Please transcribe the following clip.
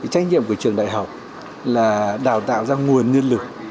trách nhiệm của trường đại học là đào tạo ra nguồn nhân lực